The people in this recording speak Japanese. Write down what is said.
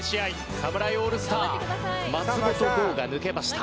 侍オールスター松本剛が抜けました。